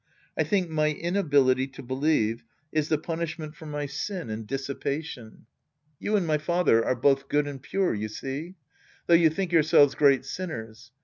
I think my Liability to believe is the punishment for my sin and Sc. I The Priest and His Disciples 109 dissipation. You and my father are both good and pure, you see. Though you think yourselves great sinners.